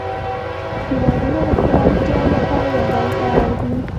هیوادونه د خپلو اړتیاوو لپاره یو بل ته اړ دي